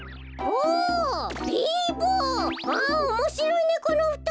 おもしろいねこのふとん。